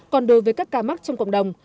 còn đối với các ca mắc trong cộng đồng